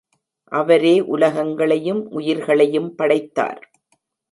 அவரே உலகங்களையும் உயிர்களையும் படைத்தார்.